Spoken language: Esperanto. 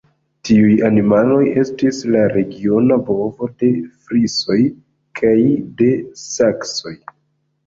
Tiuj animaloj estis la regiona bovo de frisoj kaj de saksoj.